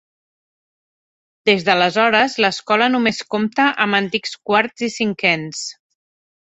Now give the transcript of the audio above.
Des d'aleshores, l'escola només compta amb antics quarts i cinquens.